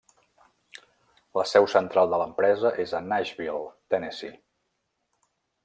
La seu central de l'empresa és a Nashville, Tennessee.